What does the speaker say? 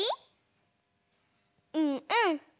うんうん。